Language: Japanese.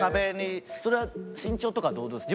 それは身長とかはどうですか？